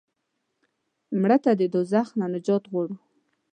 مړه ته د دوزخ نه نجات غواړو